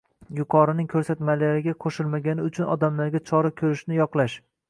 «yuqorining ko‘rsatmalari»ga qo‘shilmagani uchun odamlarga «chora ko‘rish»ni yoqlash;